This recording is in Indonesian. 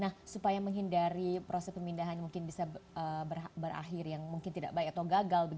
nah supaya menghindari proses pemindahan mungkin bisa berakhir yang mungkin tidak baik atau gagal